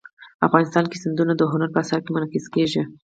افغانستان کې سیندونه د هنر په اثار کې منعکس کېږي.